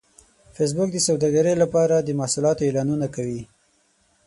فېسبوک د سوداګرۍ لپاره د محصولاتو اعلانونه کوي